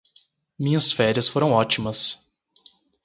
minhas férias foram ótimas